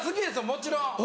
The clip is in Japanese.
もちろん。